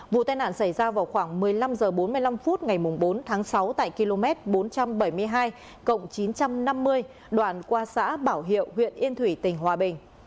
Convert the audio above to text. vụ tai nạn xảy ra vào khoảng một mươi năm h bốn mươi năm phút ngày bốn tháng sáu tại km bốn trăm bảy mươi hai chín trăm năm mươi đoạn qua xã bảo hiệu huyện yên thủy tỉnh hòa bình